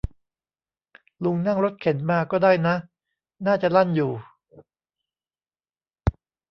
ลุงนั่งรถเข็นมาก็ได้นะ น่าจะลั่นอยู่